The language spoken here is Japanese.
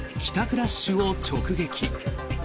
ラッシュを直撃。